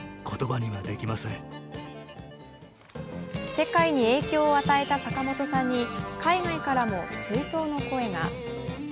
世界に影響を与えた坂本さんに海外からも追悼の声が。